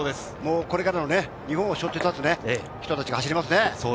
これからの日本を背負って立つ人が走りますね。